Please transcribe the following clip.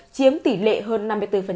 chiếm tỷ lệ hơn năm mươi bốn